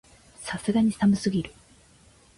さすがに寒すぎる